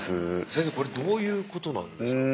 先生これどういうことなんですか？